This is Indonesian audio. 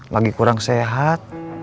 lagi kurang sehat